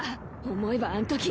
思えばあんとき。